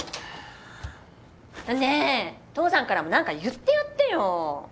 ねえ父さんからも何か言ってやってよ！